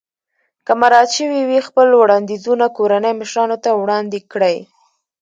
که مراعات شوي وي خپل وړاندیزونه کورنۍ مشرانو ته وړاندې کړئ.